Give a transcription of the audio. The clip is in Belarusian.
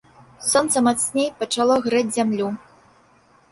Сонца мацней пачало грэць зямлю.